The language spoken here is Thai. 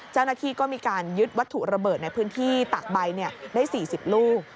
เจ้าหน้าที่ก็มีการยึดวัตถุระเบิดในพื้นที่ตากใบได้๔๐ลูก